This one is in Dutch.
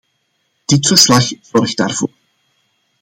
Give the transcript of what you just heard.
Dit verslag zorgt daarvoor.